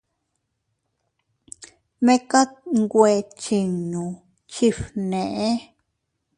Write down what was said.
Mekat nwe chiinnu chifgnee.